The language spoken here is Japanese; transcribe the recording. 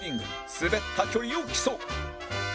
滑った距離を競う